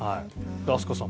で飛鳥さん。